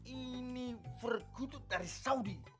ini verkutut dari saudi